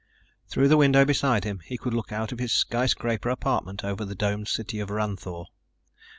Through the window beside him, he could look out of his skyscraper apartment over the domed city of Ranthoor.